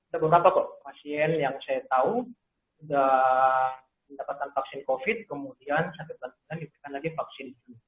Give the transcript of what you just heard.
ada beberapa kok pasien yang saya tahu sudah mendapatkan vaksin covid kemudian satu bulan diberikan lagi vaksin